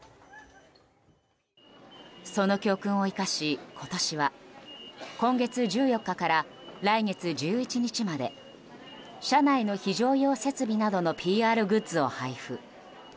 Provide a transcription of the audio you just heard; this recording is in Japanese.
その教訓を生かし今年は今月１４日から来月１１日まで車内の非常用設備などのＰＲグッズを配布。